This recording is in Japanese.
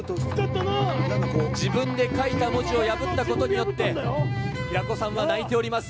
自分で書いた文字を破ったことによって、平子さんは泣いております。